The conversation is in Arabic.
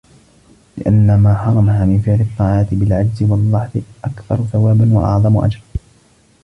لِأَنَّ مَا حَرَمَهَا مِنْ فِعْلِ الطَّاعَاتِ بِالْعَجْزِ وَالضَّعْفِ أَكْثَرُ ثَوَابًا وَأَعْظَمُ أَجْرًا